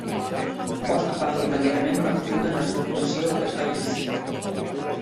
Bosch va fer immediatament una profunda reestructuració del país.